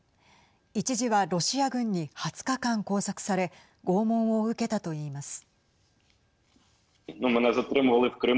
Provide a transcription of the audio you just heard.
一時はロシア軍に２０日間拘束され拷問を受けたといいます。